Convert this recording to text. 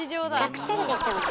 隠せるでしょ。